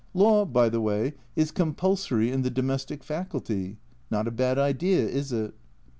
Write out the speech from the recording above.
Law, by the way, is compulsory in the Domestic faculty not a bad idea, is it?